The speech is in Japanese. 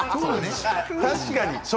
確かに。